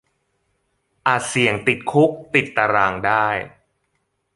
อาจเสี่ยงติดคุกติดตะรางได้